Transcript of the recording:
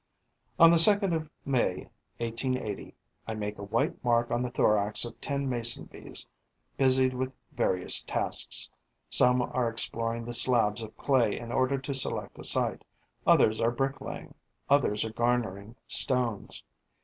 On the 2nd of May 1880, I make a white mark on the thorax of ten Mason bees busied with various tasks: some are exploring the slabs of clay in order to select a site; others are brick laying; others are garnering stores.